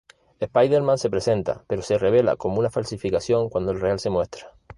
Spider-Man se presenta, pero se revela como una falsificación cuando el real se muestra.